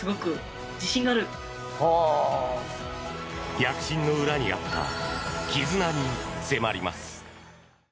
躍進の裏にあった絆に迫ります。